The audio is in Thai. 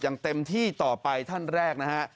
อย่างเต็มที่ต่อไปท่านแรกนะฮะ